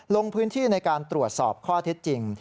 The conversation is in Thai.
ลงพื้นที่ในการตรวจสอบข้อเท็จจริง